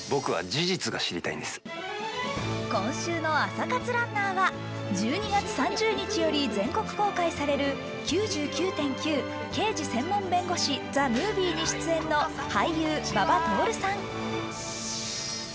今週の朝活ランナーは１２月３０日より全国公開される「９９．９−刑事専門弁護士−ＴＨＥＭＯＶＩＥ」に出演の俳優・馬場徹さん。